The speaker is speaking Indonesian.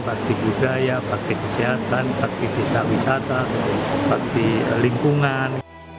bakti budaya bakti kesehatan bakti desa wisata bakti lingkungan